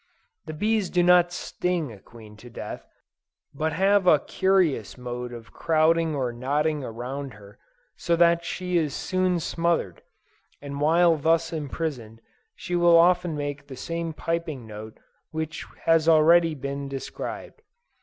The bees do not sting a queen to death, but have a curious mode of crowding or knotting around her, so that she is soon smothered; and while thus imprisoned, she will often make the same piping note which has already been described.